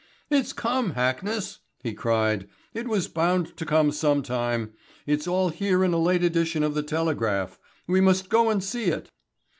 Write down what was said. "It's come, Hackness," he cried. "It was bound to come sometime. It's all here in a late edition of the Telegraph. We must go and see it."